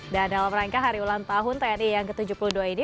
dan dalam rangka hari ulang tahun tni yang ke tujuh puluh dua ini